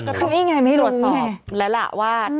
ก็พูดไอ้ไงไม่รู้ไงตรวจสอบแล้วแหละว่า